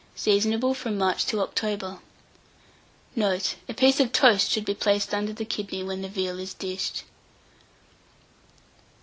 Seasonable from March to October. Note. A piece of toast should be placed under the kidney when the veal is dished.